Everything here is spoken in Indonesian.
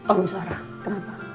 oh nusara kenapa